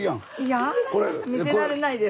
やだ見せられないです。